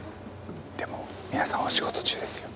でも皆さんお仕事中ですよ。